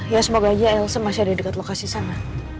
ya semoga aja elsa masih ada di dekat lokasi sana